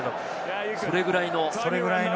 それぐらいの？